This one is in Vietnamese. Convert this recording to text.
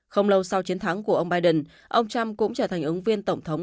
không lâu sau chiến thắng của ông biden ông trump cũng trở thành ứng viên tổng thống